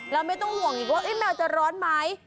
แล้วไม่ต้องห่วงอีกว่าแมวจะร้อนไหม